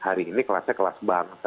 hari ini kelasnya kelas bangsa